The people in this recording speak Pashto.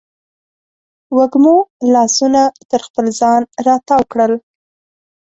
وږمو لاسونه تر خپل ځان راتاو کړل